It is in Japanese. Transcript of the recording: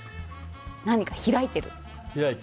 何か開いてる。